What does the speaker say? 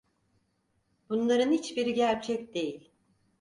Bunların hiçbiri gerçek değil.